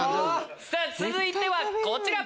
続いてはこちら。